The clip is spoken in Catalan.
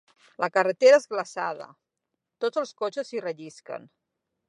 La carretera és glaçada: tots els cotxes hi rellisquen.